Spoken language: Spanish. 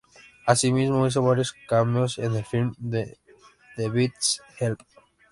Asimismo hizo varios cameos, en el film de The Beatles "Help!